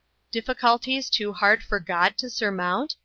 "Difficulties too hard for God to surmount?